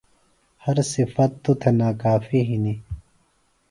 ہر صِفت توۡ تھےۡ ناکافی ہِنیۡ۔